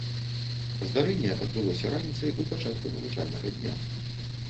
Здарэнне адбылося раніцай у пачатку навучальнага дня.